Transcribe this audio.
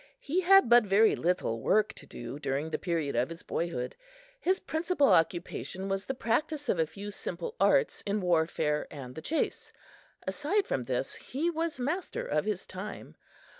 He had but very little work to do during the period of his boyhood. His principal occupation was the practice of a few simple arts in warfare and the chase. Aside from this, he was master of his time.